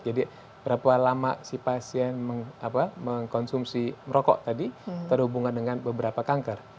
jadi berapa lama si pasien mengkonsumsi merokok tadi terhubungan dengan beberapa kanker